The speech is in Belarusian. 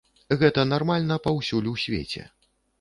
Гэта нармальна паўсюль у свеце.